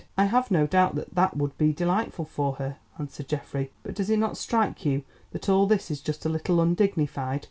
"I have no doubt that would be delightful for her," answered Geoffrey; "but does it not strike you that all this is just a little undignified?